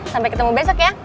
sampai ketemu besok ya